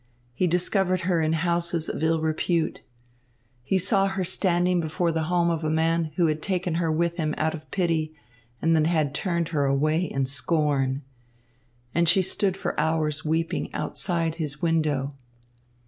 He discovered her in houses of ill repute. He saw her standing before the home of a man who had taken her with him out of pity and then had turned her away in scorn, and she stood for hours weeping outside his window.